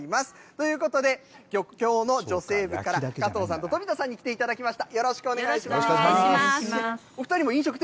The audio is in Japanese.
ということで、漁協の女性部から加藤さんとトビタさんに来ていただきました。